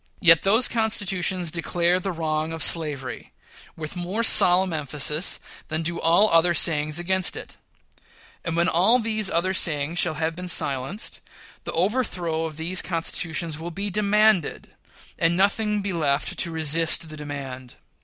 Yet those constitutions declare the wrong of slavery, with more solemn emphasis than do all other sayings against it; and when all these other sayings shall have been silenced, the overthrow of these constitutions will be demanded, and nothing be left to resist the demand.